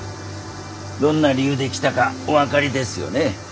どんな理由で来たかお分かりですよね？